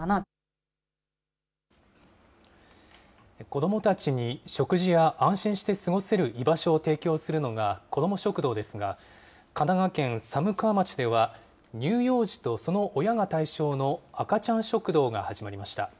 子どもたちに食事や安心して過ごせる居場所を提供するのが子ども食堂ですが、神奈川県寒川町では、乳幼児とその親が対象の赤ちゃん食堂が始まりました。